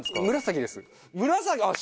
紫です！